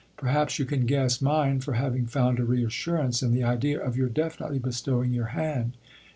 Perhaps you can guess mine for having found a reassurance in the idea of your definitely bestowing your hand.